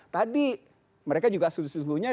tadi mereka juga sesungguhnya